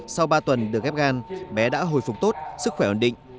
sau ba tuần được ghép gan bé đã hồi phục tốt sức khỏe ổn định